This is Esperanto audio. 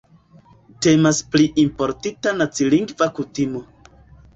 Temas pri importita nacilingva kutimo.